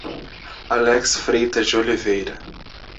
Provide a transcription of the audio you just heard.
Alex Freitas de Oliveira